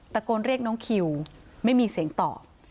ตะโกนเรียกน้องคิวไม่มีเสียงตอบ